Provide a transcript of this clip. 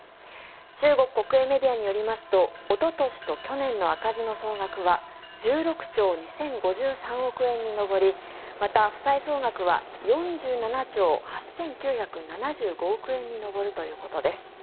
中国国営メディアによりますとおととしと去年の赤字の総額は１６兆２０５３億円に上りまた、負債総額は４７兆８９７５億円に上るということです。